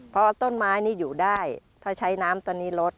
เพราะต้นไม้นี่อยู่ได้ถ้าใช้น้ำตอนนี้ลด